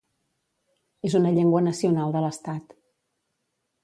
És una llengua nacional de l'Estat.